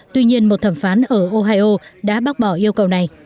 tuy nhiên một thẩm phán ở ohio đã bác bỏ yêu cầu này